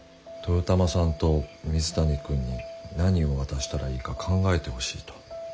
豊玉さんと水谷くんに何を渡したらいいか考えてほしいと。